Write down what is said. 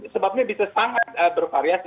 sebabnya bisa sangat bervariasi